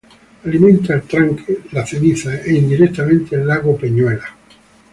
Alimenta el tranque Las Cenizas, e indirectamente el lago Peñuelas.